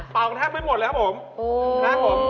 เป่าแตรทางไม่หมดเลยครับผม